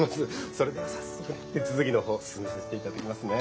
それでは早速手続きの方進めさせて頂きますね。